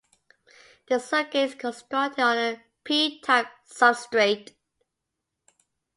The circuit is constructed on a P-type substrate.